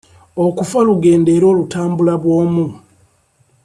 Okufa lugendo era olutambula bw'omu.